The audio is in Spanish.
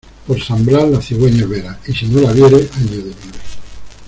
Por San Blas, la cigüeña verás; y si no la vieres año de nieves.